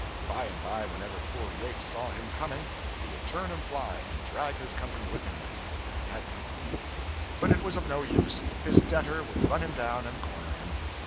By and by, whenever poor Yates saw him coming, he would turn and fly, and drag his company with him, if he had company; but it was of no use; his debtor would run him down and corner him.